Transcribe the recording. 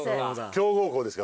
強豪校ですよ。